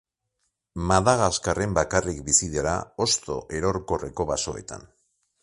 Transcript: Madagaskarren bakarrik bizi dira hosto erorkorreko basoetan.